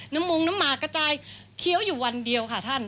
มุงน้ำหมากกระจายเคี้ยวอยู่วันเดียวค่ะท่าน